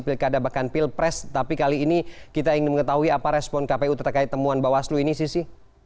pilkada bahkan pilpres tapi kali ini kita ingin mengetahui apa respon kpu terkait temuan bawaslu ini sisi